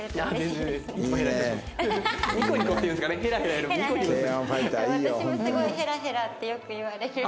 私もすごいヘラヘラってよく言われる。